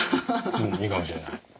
うんいいかもしれない。